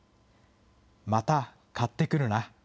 また買ってくるな。